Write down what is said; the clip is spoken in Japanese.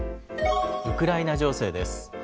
ウクライナ情勢です。